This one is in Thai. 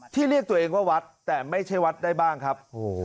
เรียกตัวเองว่าวัดแต่ไม่ใช่วัดได้บ้างครับ